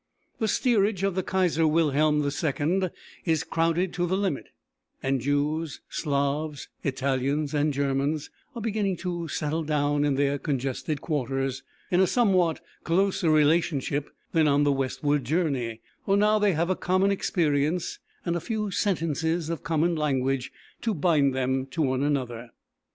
The steerage of the Kaiser Wilhelm II is crowded to the limit; and Jews, Slavs, Italians and Germans are beginning to settle down in their congested quarters, in a somewhat closer fellowship than on the westward journey; for now they have a common experience and a few sentences of common language to bind them to one another.